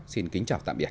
xin kính chào tạm biệt